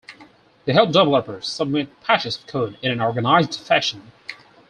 They help developers submit patches of code in an organized fashion.